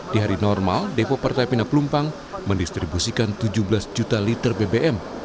di hari normal depo pertamina pelumpang mendistribusikan tujuh belas juta liter bbm